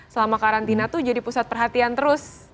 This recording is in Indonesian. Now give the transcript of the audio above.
selama karantina tuh jadi pusat perhatian terus